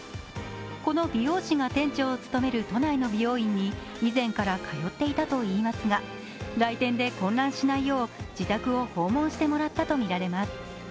この美容師が店長を務める都内の美容院に以前から通っていたといいますが来店で混乱しないよう自宅を訪問してもらったとみられます。